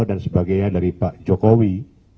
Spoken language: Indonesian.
dan sebagainya dari pak jokowi